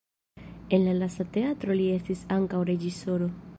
En la lasta teatro li estis ankaŭ reĝisoro.